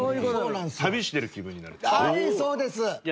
そうです。